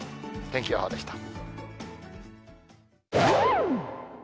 天気予報でした。